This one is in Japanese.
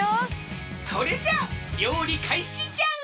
それじゃありょうりかいしじゃ！